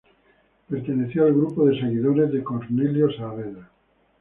Perteneció al grupo de seguidores de Cornelio Saavedra.